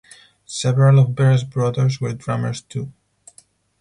Several of Vera's brothers were drummers too.